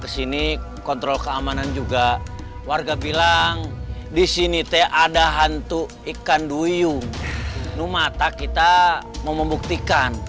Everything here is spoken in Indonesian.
kesini kontrol keamanan juga warga bilang disini teh ada hantu ikan duyung numata kita mau membuktikan